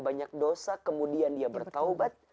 banyak dosa kemudian dia bertaubat